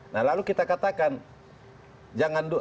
nah lalu kita katakan